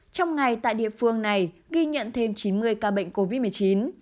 trong ngày tại địa phương này ghi nhận thêm chín mươi ca bệnh covid một mươi chín